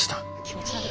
気持ち悪。